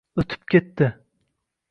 O’tib ketdi